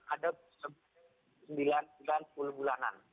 ada sembilan puluh bulanan